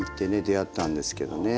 出会ったんですけどね。